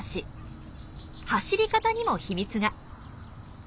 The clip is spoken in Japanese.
走り方にも秘密が。